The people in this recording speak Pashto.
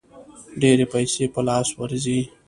ډېرې پیسې په لاس ورځي.